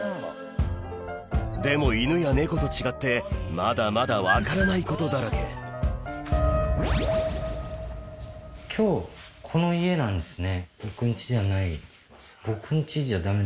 でも犬や猫と違ってまだまだ分からないことだらけ今日この家なんですね。